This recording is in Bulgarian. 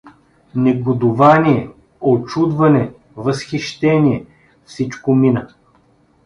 Негодувание, очудване, възхищение — всичко мина.